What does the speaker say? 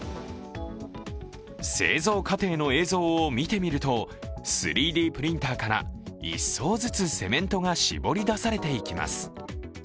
製造過程の映像を見てみると３Ｄプリンターから１層ずつセメントが絞り出されていきます。